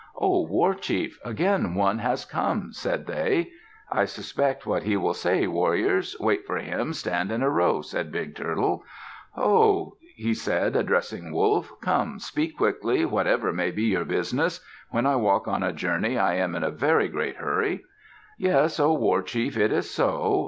"O war chief, again one has come," said they. "I suspect what he will say, warriors. Wait for him. Stand in a row," said Big Turtle. "Ho," he said, addressing Wolf, "Come, speak quickly, whatever may be your business. When I walk on a journey, I am in a very great hurry." "Yes, O war chief. It is so.